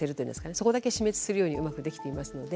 そこだけ死滅させるようにうまくできています。